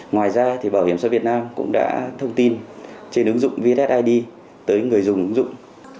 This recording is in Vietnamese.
ngoài ra thì bảo hiểm xã hội việt nam cũng đã thông tin trên ứng dụng vssid tới người dùng ứng dụng